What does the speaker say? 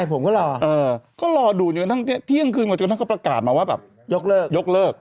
เป็นหงหงนี่บินหงนี่บินออกมาจากเลือด